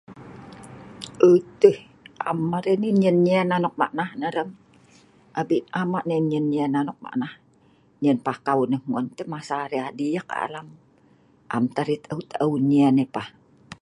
Uut teh am arai nah nyien nyien anok maq nah reem, adi’ am eek nai nyien nyien anok maq nah nyien pakau nah nguon tah arai lam lem masa arai adiek alam, am tah arai taeu taru nyien yeh pah